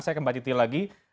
saya ke mbak titi lagi